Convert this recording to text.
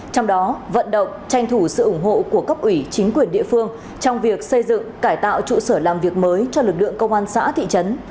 trong đó vận động tranh thủ sự ủng hộ của cấp ủy chính quyền địa phương trong việc xây dựng cải tạo trụ sở làm việc mới cho lực lượng công an xã thị trấn